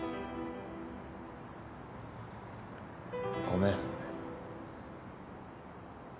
ごめん。